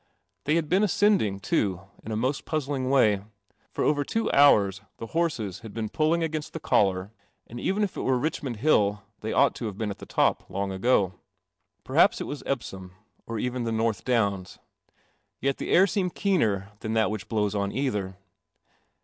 They had been ascending, too, in a most puzzling way; for over two hours the horses had been pulling against the collar, and even if it were Richmond Hill they ought to have been at the top long ago. Perhaps it was Epsom, or even the North Downs; yet the air seemed keener than that which blows on either.